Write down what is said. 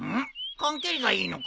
缶蹴りがいいのか？